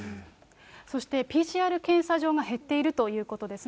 そしてＰＣＲ検査場が減っているということですね。